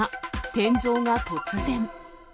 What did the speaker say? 天井が突然。